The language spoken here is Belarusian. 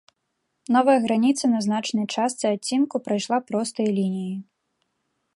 Новая граніца на значнай частцы адцінку прайшла простай лініяй.